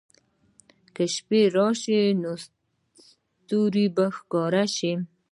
که شپې راشي، نو ستوري به ښکاره شي.